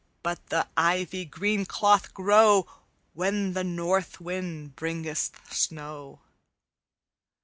But the ivy green cloth grow When the north wind bringeth snow.